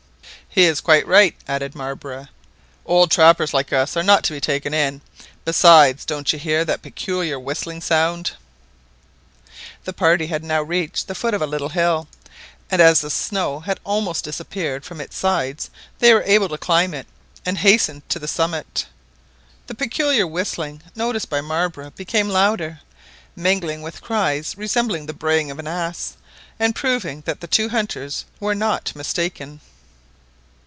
"He is quite right," added Marbre; "old trappers like us are not to be taken in; besides, don't you hear that peculiar whistling sound?" The party had now reached the foot of a little hill, and as the snow had almost disappeared from its sides they were able to climb it, and hastened to the summit, the peculiar whistling noticed by Marbre becoming louder, mingled with cries resembling the braying of an ass, and proving that the two hunters were not mistaken.